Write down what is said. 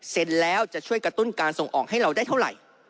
แล้วจะช่วยกระตุ้นการส่งออกให้เราได้เท่าไหร่